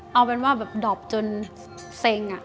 เอาเป็นว่าแบบดอบจนเซ็ง